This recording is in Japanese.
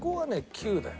９だよ。